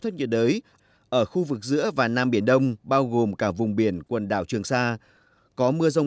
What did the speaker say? thấp nhiệt đới ở khu vực giữa và nam biển đông bao gồm cả vùng biển quần đảo trường sa có mưa rông